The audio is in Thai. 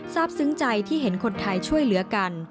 ซึ้งใจที่เห็นคนไทยช่วยเหลือกัน